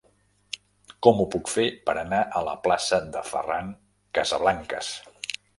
Com ho puc fer per anar a la plaça de Ferran Casablancas?